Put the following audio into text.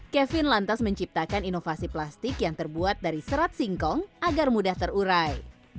kevin lantas menciptakan inovasi plastik yang terbuat dari serat singkong agar mudah terurai